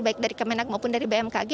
baik dari kemenak maupun dari bmkg